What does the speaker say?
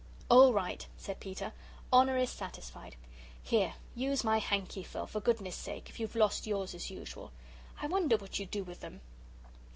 "All right," said Peter; "honour is satisfied. Here, use my hankie, Phil, for goodness' sake, if you've lost yours as usual. I wonder what you do with them."